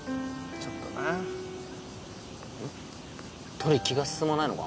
トリ気が進まないのか？